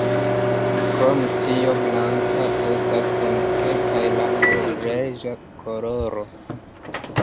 Krom tio blanka estas en kelkaj landoj reĝa koloro.